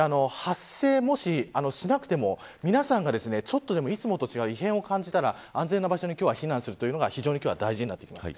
もし発生しなくても皆さんが、ちょっとでもいつもと違う異変を感じたら安全な場所に避難するのが大事になってきます。